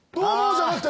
じゃなくて。